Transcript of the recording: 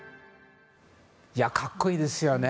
格好いいですよね。